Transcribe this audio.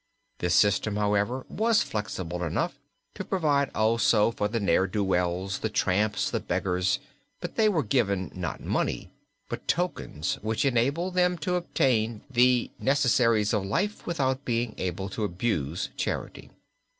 This system, however, was flexible enough to provide also for the ne'er do wells, the tramps, the beggars, but they were given not money, but tokens which enabled them to obtain the necessaries of life without being able to abuse charity.